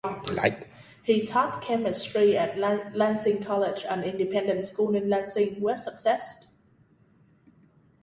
He taught Chemistry at Lancing College, an independent school in Lancing, West Sussex.